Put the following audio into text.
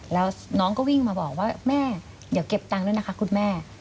แล้วน้องก็วิ่งมาบอกว่าแม่เดี๋ยวเก็บตังค์ด้วยนะคะคุณแม่